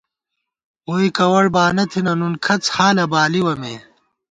ووئی کوَڑ بانہ تھنہ نُن کھڅ حالہ بالِوَہ مے